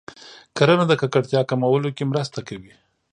کرنه د ککړتیا کمولو کې مرسته کوي.